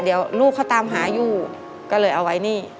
เดี๋ยวลูกเขาตามหาอยู่ก็เลยเอาไว้นี่